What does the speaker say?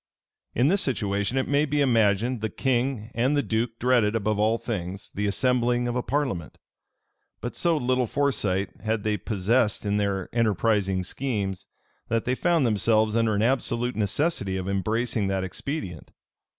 In this situation, it may be imagined the king and the duke dreaded, above all things, the assembling of a parliament; but so little foresight had they possessed in their enterprising schemes, that they found themselves under an absolute necessity of embracing that expedient.